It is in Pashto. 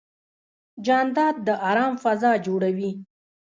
جانداد د ارام فضا جوړوي.